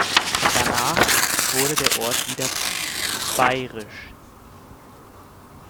Danach wurde der Ort wieder bayerisch.